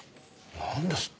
なんですって。